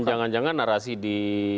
dan jangan jangan narasi di